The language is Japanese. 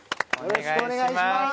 よろしくお願いします